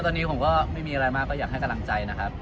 ตอนนี้ผมก็ไม่มีอะไรมากก็อยากให้กำลังใจนะครับ